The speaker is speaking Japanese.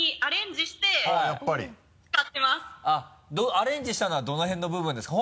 アレンジしたのはどの辺の部分ですか？